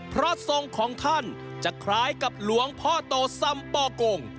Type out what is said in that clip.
เพราะทรงของท่านจะคล้ายกับหลวงพ่อโตสัมปอกง